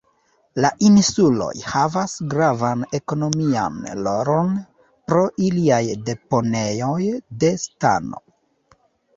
La insuloj havas gravan ekonomian rolon pro iliaj deponejoj de stano.